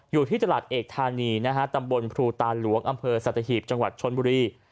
อยู่ที่ตลาดเอกธานีนะฮะตำบลภูตาหลวงอำเภอสัตหีบจังหวัดชนบุรี